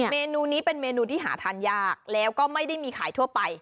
เมนูนี้เป็นเมนูที่หาทานยากแล้วก็ไม่ได้มีขายทั่วไป